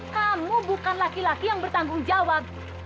kamu bukan laki laki yang bertanggung jawab